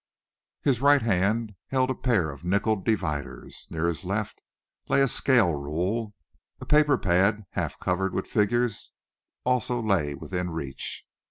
His right hand held a pair of nickeled dividers. Near his left lay a scale rule. A paper pad, half covered with figures, also lay within reach.